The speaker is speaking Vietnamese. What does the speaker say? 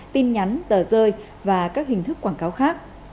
tin nhắn tờ rơi và các hình thức quảng cáo khác